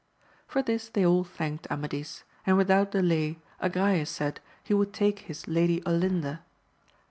For this they all thanked Amadis, and without delay Agrayes said he would take his Lady Olinda.